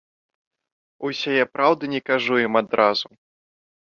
Усяе праўды не кажу ім адразу.